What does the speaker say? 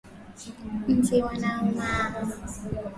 Nzi wanaouma